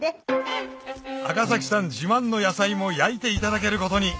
赤さん自慢の野菜も焼いていただけることに！